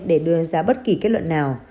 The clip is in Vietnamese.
để đưa ra bất kỳ kết luận nào